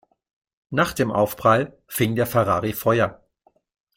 Nach dem Aufprall fing der Ferrari Feuer.